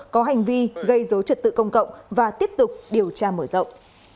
có hành vi gây dối trật tự công cộng và tiếp tục điều tra mở rộng